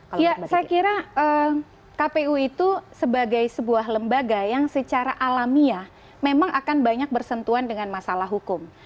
saya kira kpu itu sebagai sebuah lembaga yang secara alamiah memang akan banyak bersentuhan dengan masalah hukum